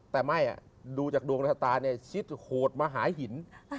แต่ไม่ดูจากดวงชะตาเนี่ยชิดโหดมหาหิน